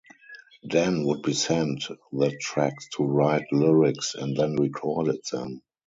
Dan would be sent the tracks to write lyrics and then recorded them.